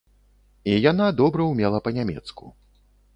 І яна добра ўмела па-нямецку.